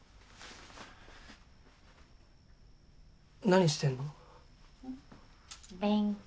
何してんの？